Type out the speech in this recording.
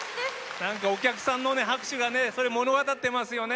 何かお客さんの拍手がそれ物語ってますよね。